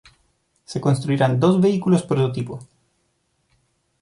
Se construirán dos vehículos prototipo.